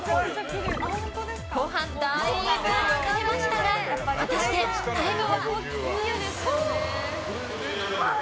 後半、大分疲れましたが果たしてタイムは。